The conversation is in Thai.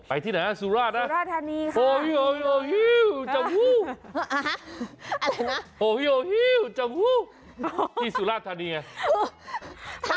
ไปที่ไหนนะสุราชนะโอ้โฮโอ้โฮจังหู้อะไรนะที่สุราชทานีไง